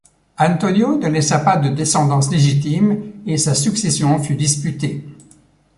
Antonio ne laissa pas de descendance légitime et sa succession fut disputée.